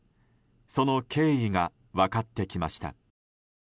その経緯が分かってきました。